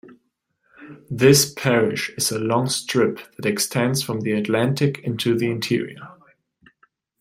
This parish is a long strip that extends from the Atlantic into the interior.